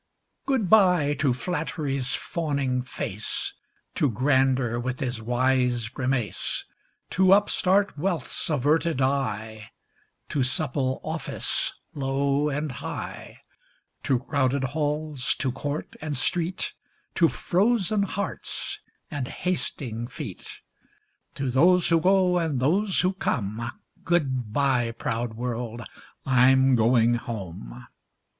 Good bye to Flattery's fawning face; To Grandeur with his wise grimace; To upstart Wealth's averted eye; To supple Office, low and high; To crowded halls, to court and street; To frozen hearts and hasting feet; To those who go, and those who come; Good bye, proud world! I'm going home.